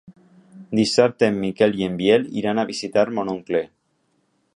Dissabte en Miquel i en Biel iran a visitar mon oncle.